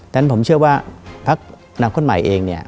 ฉะนั้นผมเชื่อว่าพักนางคลอดหมายเอง